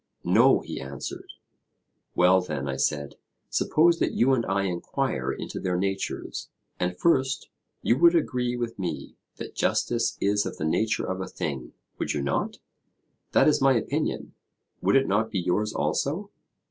No, he answered. Well then, I said, suppose that you and I enquire into their natures. And first, you would agree with me that justice is of the nature of a thing, would you not? That is my opinion: would it not be yours also?